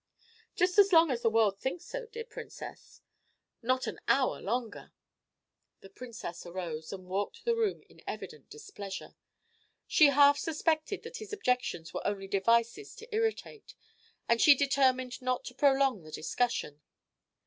"Just as long as the world thinks so, dear Princess; not an hour longer." The Princess arose, and walked the room in evident displeasure. She half suspected that his objections were only devices to irritate, and she determined not to prolong the discussion.